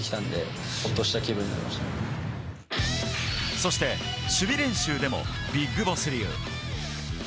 そして守備練習でもビッグボス流。